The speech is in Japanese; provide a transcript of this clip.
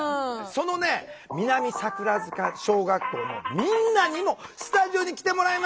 そのね南桜塚小学校のみんなにもスタジオに来てもらいましたよ。